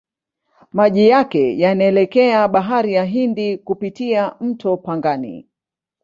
Maji yake yanaelekea Bahari ya Hindi kupitia mto Pangani.